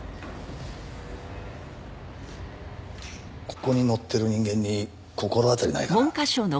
ここに載ってる人間に心当たりないかな？